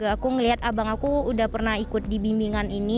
aku ngeliat abang aku udah pernah ikut di bimbingan ini